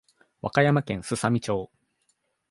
和歌山県すさみ町